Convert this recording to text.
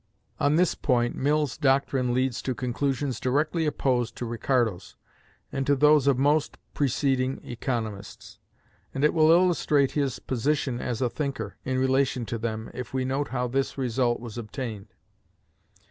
On this point Mill's doctrine leads to conclusions directly opposed to Ricardo's, and to those of most preceding economists. And it will illustrate his position as a thinker, in relation to them, if we note how this result was obtained.